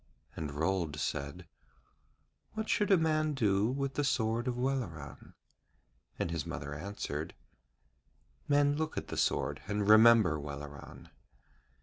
And Rold said: 'What should a man do with the sword of Welleran?' And his mother answered: 'Men look at the sword and remember Welleran.'